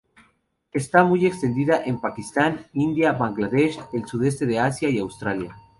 Está muy extendida en Pakistán, India, Bangladesh, el Sudeste de Asia y Australia.